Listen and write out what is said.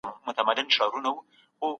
تاسي په پښتو کي د جملو جوړښت ته پام کوئ